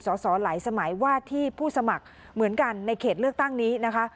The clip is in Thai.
สอสอหลายสมัยวาดที่ผู้สมัครเหมือนกันในเขตเลือกตั้งนี้นะคะ